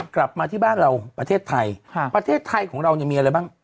กลับมาที่บ้านเราประเทศไทยประเทศไทยของเราเนี่ยมีอะไรบ้าง